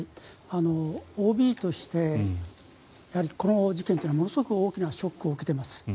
ＯＢとしてやはりこの事件というのはものすごく大きなショックを受けています。